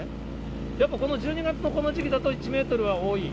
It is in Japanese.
やっぱりこの１２月のこの時期だと１メートルは多い？